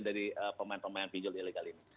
dari pemain pemain pinjol ilegal ini